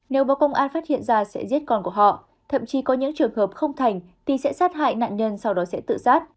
nếu báo công an phát hiện ra sẽ giết con của họ thậm chí có những trường hợp không thành thì sẽ sát hại nạn nhân sau đó sẽ tự sát